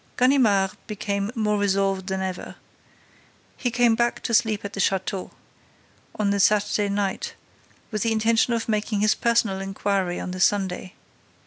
Ganimard became more resolved than ever. He came back to sleep at the château, on the Saturday night, with the intention of making his personal inquiry on the Sunday.